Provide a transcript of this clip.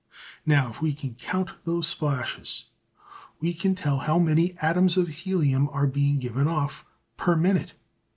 Now if we can count those splashes we can tell how many atoms of helium are being given off per minute.